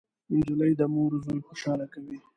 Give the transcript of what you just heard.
نجلۍ د مور زوی خوشحاله کوي.